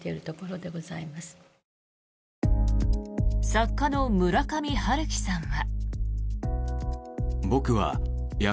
作家の村上春樹さんは。